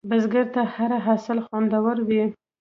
بزګر ته هره حاصل خوندور وي